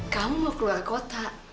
kamu mau keluar kota